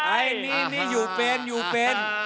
อันนี้นี่อยู่เป็นอยู่เป็น